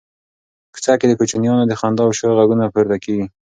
په کوڅه کې د کوچنیانو د خندا او شور غږونه پورته کېږي.